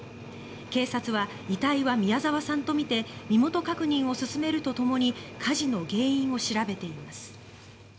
警察は遺体は宮沢さんとみて身元確認を進めるとともに火事の原因を調べています。